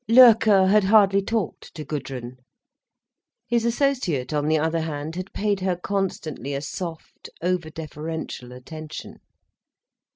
Loerke had hardly talked to Gudrun. His associate, on the other hand, had paid her constantly a soft, over deferential attention.